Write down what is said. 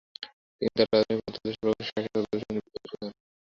তিনি তার রাজনৈতিক মতাদর্শ প্রকাশের সাহসিকতা প্রদর্শনের জন্য বিতর্কিত হন।